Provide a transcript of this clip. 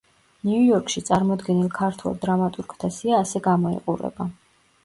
ნიუ-იორკში წარმოდგენილ ქართველ დრამატურგთა სია ასე გამოიყურება.